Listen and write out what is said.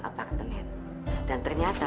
apartemen dan ternyata